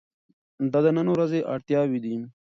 دا د نن ورځې اړتیاوې دي.